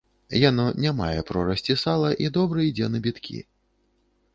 Яно не мае прорасці сала і добра ідзе на біткі.